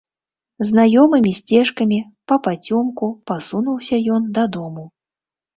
Знаёмымі сцежкамі папацёмку пасунуўся ён дадому.